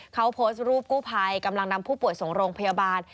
เขาโพสต์รูปกู้ภัยกำลังนำผู้ป่วยส่งโรงพยาบาล